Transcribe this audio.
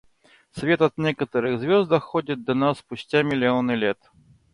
Свет от некоторых звезд доходит до нас спустя миллионы лет.